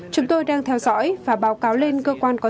chúng tôi đang theo dõi và báo cáo lên cơ quan có thảo dược